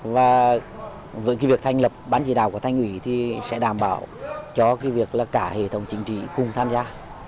và việc thành lập bán chỉ đạo của thanh ủy sẽ đảm bảo cho cả hệ thống chính trị cùng tham gia